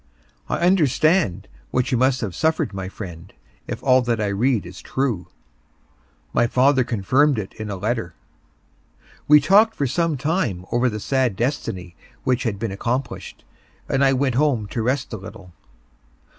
"I understand what you must have suffered, my friend, if all that I read is true." "My father confirmed it in a letter." We talked for some time over the sad destiny which had been accomplished, and I went home to rest a little.